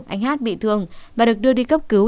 anh hát bị thương và được đưa đi cấp cứu